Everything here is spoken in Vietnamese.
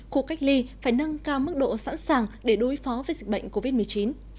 cuộc cách ly phải nâng cao mức độ sẵn sàng để đối phó với dịch bệnh covid một mươi chín